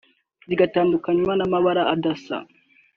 zigatandukanywa n’amabara adasa